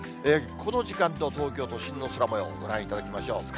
この時間の東京都心の空もよう、ご覧いただきましょう。